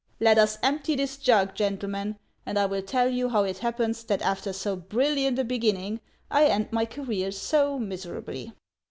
Let us empty this jug, gentlemen, and I will tell you how it happens that after so brilliant a beginning I end my career so miserably.